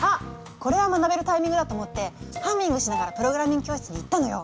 これは学べるタイミングだと思ってハミングしながらプログラミング教室に行ったのよ。